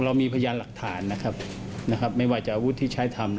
เรามีพยานหลักฐานนะครับไม่ว่าจะอาวุธที่ใช้ทำ